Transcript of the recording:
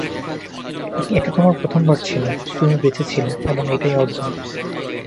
এটা তোমার প্রথমবার ছিল, তুমি বেঁচে ছিলে, এবং এটাই অর্জন।